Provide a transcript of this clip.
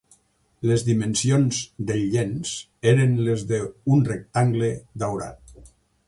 Les dimensions del llenç eren les d"un rectangle daurat.